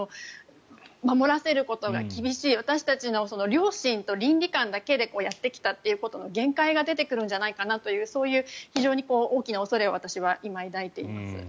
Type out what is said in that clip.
守らせることが厳しい私たちの良心と倫理観だけでやってきたことの限界が出てくるんじゃないかなという大きな恐れを私は今、抱いています。